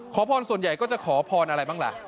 ขอพรส่วนใหญ่ก็จะขอพรอะไรบ้างล่ะ